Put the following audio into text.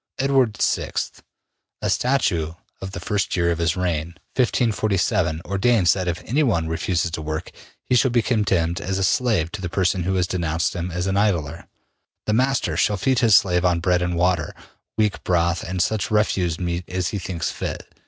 Edward VI: A statue of the first year of his reign, 1547, ordains that if anyone refuses to work, he shall be condemned as a slave to the person who has denounced him as an idler. The master shall feed his slave on bread and water, weak broth and such refuse meat as he thinks fit.